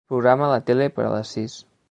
Programa la tele per a les sis.